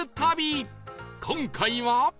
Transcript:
今回は